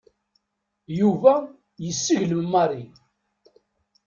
Yuba yesseglem Mary.